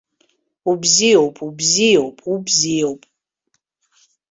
Убзиоуп, убзиоуп, убзиоуп!